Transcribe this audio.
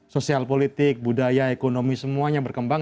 sosial politik budaya ekonomi semuanya berkembang